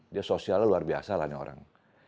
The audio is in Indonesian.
dia sosialnya luar biasa lah ini orang